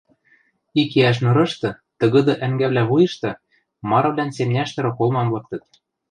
Икиӓш нырышты, тыгыды ӓнгӓвлӓ вуйышты, марывлӓн семняштӹ роколмам лыктыт.